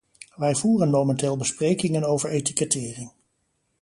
Wij voeren momenteel besprekingen over etikettering.